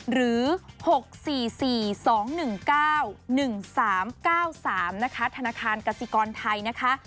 ๒๐๐๒๓๓๔๓๑๘หรือ๖๔๔๒๑๙๑๓๙๓นะคะธนาคารกสิกรไทยนะคะ